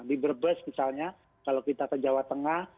di berbes misalnya kalau kita ke jawa tengah